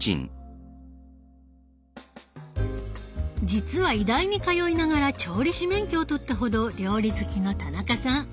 実は医大に通いながら調理師免許を取ったほど料理好きの田中さん。